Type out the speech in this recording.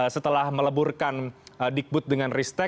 setelah meleburkan digbud dengan ristek